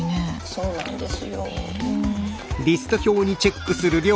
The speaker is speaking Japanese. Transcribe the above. そうなんですよ。